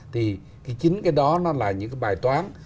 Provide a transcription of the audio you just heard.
thì chính cái đó nó là những cái bài toán